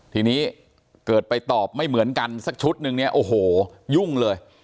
ทีนี้เกิดไปตอบไม่เหมือนกันสักชุดนึงเนี่ยโอ้โหยุ่งเลย